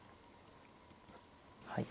はい。